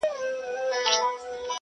څنګه د بورا د سینې اور وینو!!